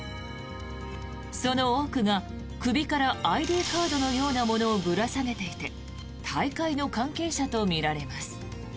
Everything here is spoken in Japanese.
その多くが首からＩＤカードのようなものをぶら下げていて大会の関係者とみられます。